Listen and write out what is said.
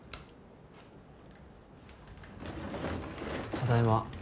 ・ただいま。